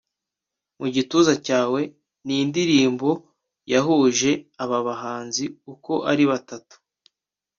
Mu gituza cyawe’ ni indirimbo yahuje aba bahanzi uko ari batatu